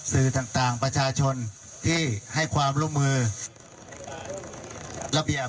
สื่อต่างประชาชนที่ให้ความร่วมมือระเบียบ